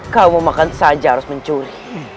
kau mau makan saja harus mencuri